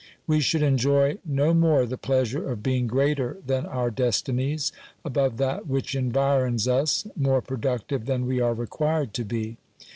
We should enjoy no more the pleasure of being greater than our destinies, above that which environs us, more productive than we are required to be.